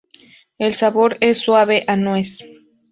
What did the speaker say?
El sabor es suave, a nuez.